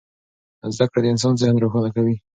زده کړه د انسان ذهن روښانه کوي.